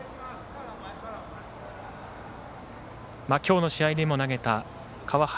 今日の試合でも投げた川原